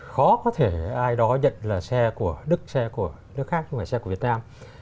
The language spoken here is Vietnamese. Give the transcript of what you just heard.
khó có thể ai đó nhận là xe của đức xe của nước khác không phải xe của việt nam